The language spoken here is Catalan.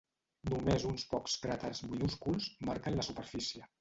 Només uns pocs cràters minúsculs marquen la superfície.